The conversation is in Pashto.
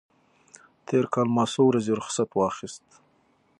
تېر کال ما څو ورځې رخصت واخیست.